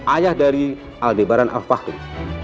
ayah dari aldebaran al fahdun